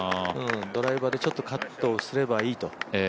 ドライバーでちょっとカットをすればいいと。